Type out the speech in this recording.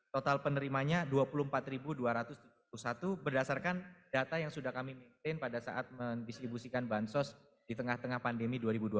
total penerimanya dua puluh empat dua ratus tujuh puluh satu berdasarkan data yang sudah kami maintain pada saat mendistribusikan bansos di tengah tengah pandemi dua ribu dua puluh